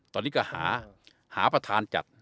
ตอนนี้ก็หาประธานจัด